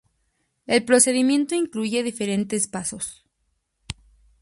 El procedimiento incluye diferentes pasos.